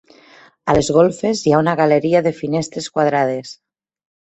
A les golfes hi ha una galeria de finestres quadrades.